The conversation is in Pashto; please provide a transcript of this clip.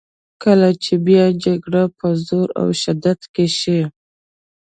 کله چې بیا جګړه په زور او شدت کې شي.